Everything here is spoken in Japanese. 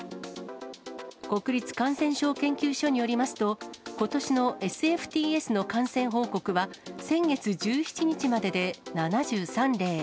国立感染症研究所によりますと、ことしのＳＦＴＳの感染報告は、先月１７日までで７３例。